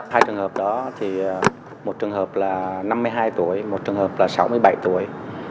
hai trường hợp đó thì một trường hợp là năm mươi hai tuổi một trường hợp là sáu mươi bảy tuổi